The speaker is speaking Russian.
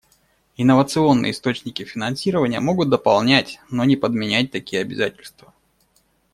Инновационные источники финансирования могут дополнять, но не подменять такие обязательства.